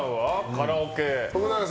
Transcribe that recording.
カラオケ。